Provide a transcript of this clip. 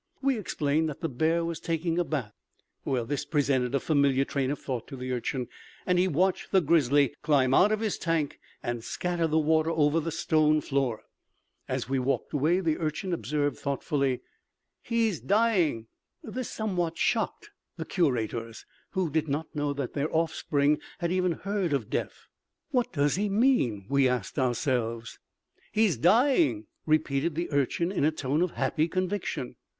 We explained that the bear was taking a bath. This presented a familiar train of thought to the Urchin and he watched the grizzly climb out of his tank and scatter the water over the stone floor. As we walked away the Urchin observed thoughtfully, "He's dying." This somewhat shocked the curators, who did not know that their offspring had even heard of death. "What does he mean?" we asked ourselves. "He's dying," repeated the Urchin in a tone of happy conviction.